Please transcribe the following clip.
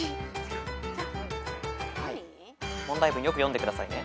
問題文よく読んでくださいね。